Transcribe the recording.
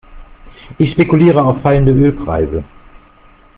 Ich spekuliere auf fallende Ölpreise.